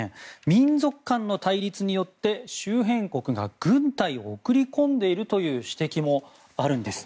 民族間の対立によって周辺国が、軍隊を送り込んでいるという指摘もあるんです。